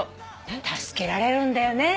助けられるんだよね。